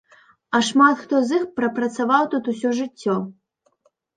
А шмат хто з іх прапрацаваў тут усё жыццё.